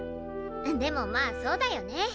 でもまあそうだよね。